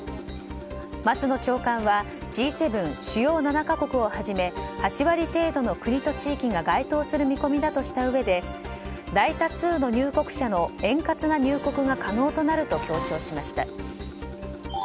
松野長官はＧ７・主要７か国をはじめ８割程度の国と地域が該当する見込みだとしたうえで大多数の入国者の円滑な入国が可能となると強調しました。